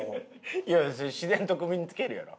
いや別に自然と首に着けるやろ。